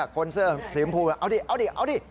คนเสื้อสีชมพูเอาดิเอาดิเอาดิ